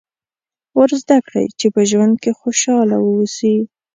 ور زده کړئ چې په ژوند کې خوشاله واوسي.